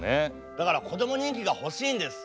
だからこども人気が欲しいんです。